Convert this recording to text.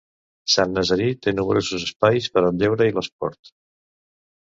Sant Nazari té nombrosos espais per al lleure i l'esport.